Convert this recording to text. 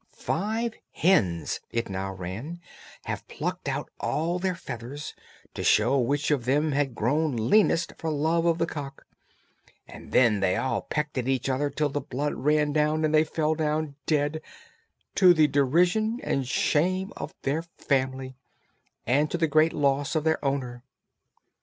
"Five hens," it now ran, "have plucked out all their feathers to show which of them had grown leanest for love of the cock, and then they all pecked at each other till the blood ran down and they fell down dead, to the derision and shame of their family, and to the great loss of their owner."